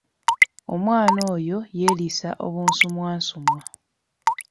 Omwana oyo yeriisa obunsumwansumwa!